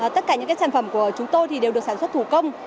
tất cả những sản phẩm của chúng tôi đều được sản xuất thủ công